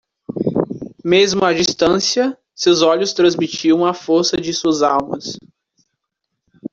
Mesmo a distância, seus olhos transmitiam a força de suas almas.